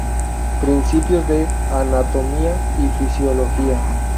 Principios de anatomía y fisiología.